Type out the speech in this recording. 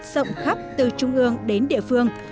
sộng khắp từ trung ương đến địa phương